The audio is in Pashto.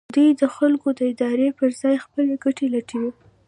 دوی د خلکو د ارادې پر ځای خپلې ګټې لټوي.